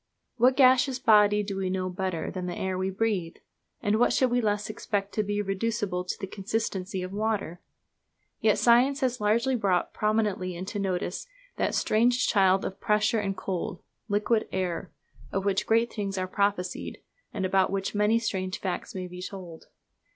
What gaseous body do we know better than the air we breathe? and what should we less expect to be reducible to the consistency of water? Yet science has lately brought prominently into notice that strange child of pressure and cold, Liquid Air; of which great things are prophesied, and about which many strange facts may be told.